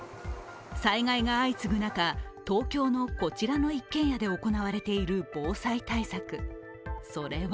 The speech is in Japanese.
災害が相次ぐ中、東京のこちらの一軒家で行われている防災対策、それは